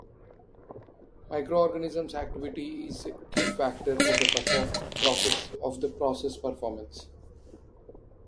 Microorganisms' activity is a key-factor of the process performance.